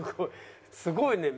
すごいね。